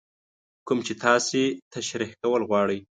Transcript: کوم چې تاسې تشرېح کول غواړئ.